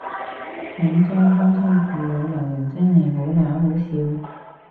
廣州鄉親父老鬧人真係好嗱好笑